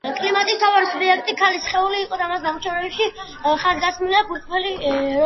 კლიმტის მთავარი სუბიექტი ქალის სხეული იყო და მის ნამუშევრებში ხაზგასმულია გულწრფელი ეროტიზმი.